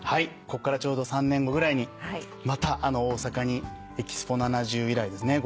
こっからちょうど３年後ぐらいにまた大阪にＥＸＰＯ’７０以来ですね。